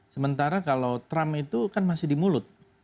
sementara kalau trump itu kan masih di mulut